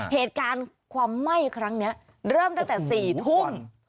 เหตุการณ์ความไหม้ครั้งนี้เริ่มตั้งแต่๔ทุ่ม